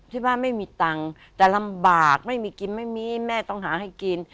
ที่บ้านไม่มีตังค์แต่ลำบากไม่มีกินไม่มีแม่ต้องหาให้กิน